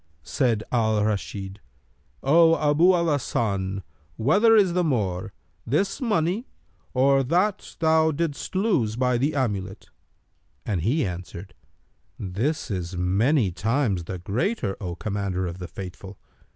Said Al Rashid, "O Abu al Hasan, whether is the more, this money or that thou didst lose by the amulet?[FN#297]"; and he answered, "This is many times the greater, O Commander of the Faithful!"